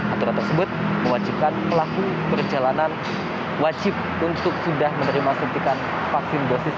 aturan tersebut mewajibkan pelaku perjalanan wajib untuk sudah menerima suntikan vaksin dosis